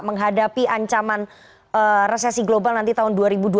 menghadapi ancaman resesi global nanti tahun dua ribu dua puluh